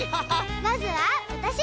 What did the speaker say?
まずはわたし！